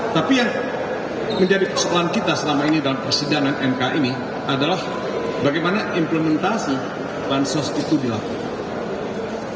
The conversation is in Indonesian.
tapi yang menjadi persoalan kita selama ini dalam persidangan mk ini adalah bagaimana implementasi bansos itu dilakukan